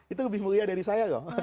itu lebih mulia dari saya loh